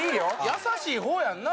優しい方やんな？